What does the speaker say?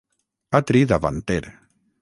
Atri davanter.